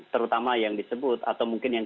terutama yang disebut atau mungkin yang